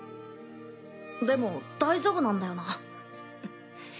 でも大丈夫なんだよな？